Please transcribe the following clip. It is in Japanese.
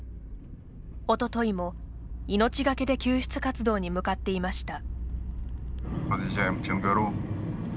おとといも、命懸けで救出活動に向かっていました。